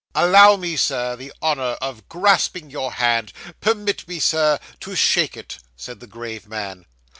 'Allow me, Sir, the honour of grasping your hand. Permit me, Sir, to shake it,' said the grave man.